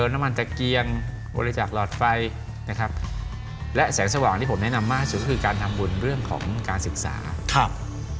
แบบกระโดนตัวเองก็เหมือนกันนะครับ